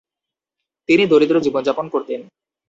তিনি দরিদ্র জীবন যাপন করতেন।